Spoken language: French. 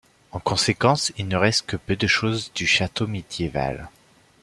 En conséquence, il ne reste que peu de choses du château médiéval.